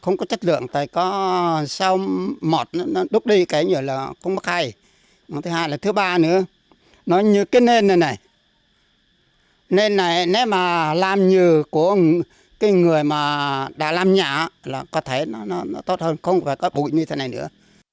nếu mà làm như của cái người mà đã làm nhà là có thể nó tốt hơn không phải có bụi như thế này nữa